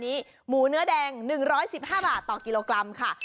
ชั่วตลอดตลาด